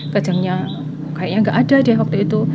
kejangnya kayaknya gak ada deh waktu itu